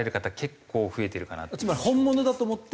つまり本物だと思って。